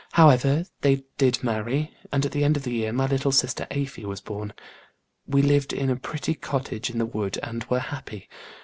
However, they did marry, and at the end of the year my little sister Afy was born. We lived in a pretty cottage in the wood and were happy.